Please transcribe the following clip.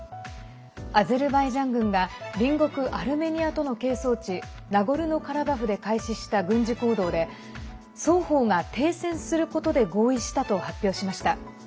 アゼルバイジャン軍が隣国アルメニアとの係争地ナゴルノカラバフで開始した軍事行動で双方が停戦することで合意したと発表しました。